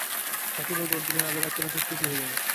থাকিবার ঘর দিলেন, আদর-আপ্যায়নের কোন ত্রুটি হইল না।